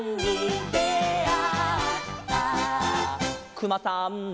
「くまさんの」